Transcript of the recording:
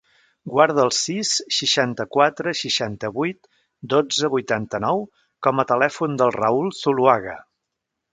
Guarda el sis, seixanta-quatre, seixanta-vuit, dotze, vuitanta-nou com a telèfon del Raül Zuluaga.